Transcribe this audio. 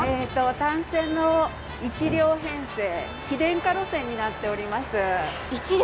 単線の１両編成、非電化路線になっています。